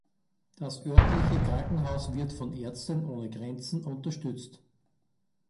Das örtliche Krankenhaus wird von Ärzte ohne Grenzen unterstützt.